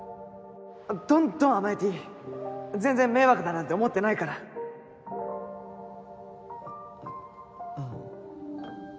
どんどん甘えていい全然迷惑だなんて思ってないからうん。